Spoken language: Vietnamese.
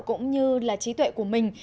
cũng như là trí tuệ của mình